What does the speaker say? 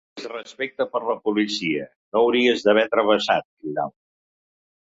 No tens respecte per la policia, no hauries d’haver travessat!, cridava.